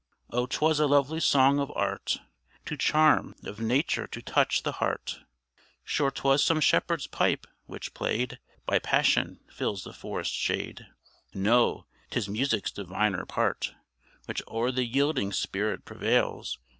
Oh! 'twas a lovely song of art To charm of nature to touch the heart; Sure 'twas some Shepherd's pipe, which, played By passion, fills the forest shade: No! 'tis music's diviner part Which o'er the yielding spirit prevails.